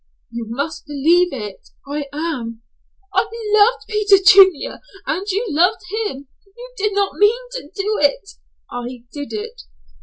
"You must believe it. I am." "I loved Peter Junior and you loved him. You did not mean to do it." "I did it."